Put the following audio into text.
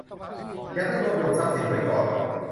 ยังต้องรวบรวมทรัพย์สินไว้ก่อน